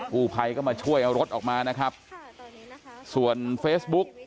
ผู้ภัยก็มาช่วยเอารถออกมานะครับค่ะส่วนเฟซบุ๊ก